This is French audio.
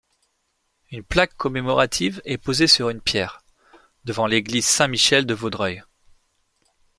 Une plaque commémorative est posée sur une pierre, devant l'église Saint-Michel de Vaudreuil.